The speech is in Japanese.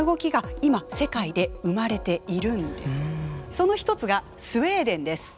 その一つがスウェーデンです。